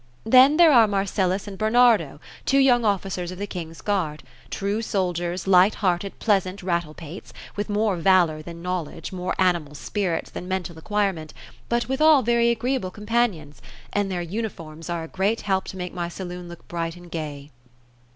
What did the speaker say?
Then there are Marcellus and Bernardo, two young officers of the king's guard ; true soldiers, light hearted, pleasant, rattle pates ; with more valour than knowledge, more animal spirits than mental acquirement; but withal very agreeable companions — and their uniforms are a great help to make my saloon look bright and gay."